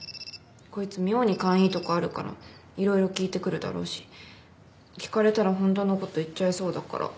こいつ妙に勘いいとこあるからいろいろ聞いてくるだろうし聞かれたらほんとのこと言っちゃいそうだから。